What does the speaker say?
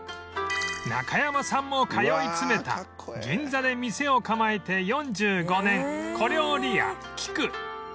中山さんも通い詰めた銀座で店を構えて４５年小料理屋きく